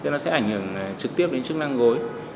nó sẽ ảnh hưởng trực tiếp đến chức năng gối